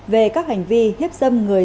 về các hành vi hiếp dâm người dưới